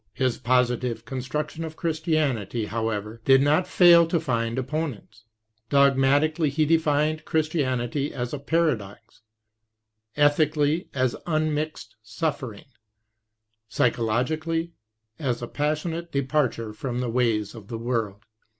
His positive construc tion of Christianity, however, did not fail to find opponents. Dogmatically he defined Christianity as the paradox; ethically, as unmixed suffering; psychologicaUy, as a passionate departure from the ways of the world.